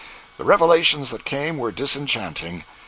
The revelations that came were disenchanting.